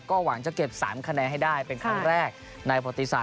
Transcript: ก็หวังจะเก็บ๓คะแนนให้ได้เป็นครั้งแรกในประติศาส